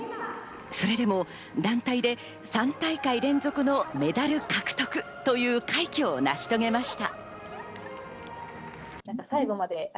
それでも団体で３大会連続のメダル獲得という快挙を成し遂げました。